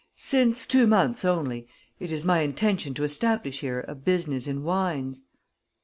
"Since two months only. It is my intention to establish here a business in wines."